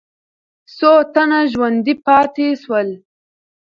څو تنه ژوندي پاتې سول؟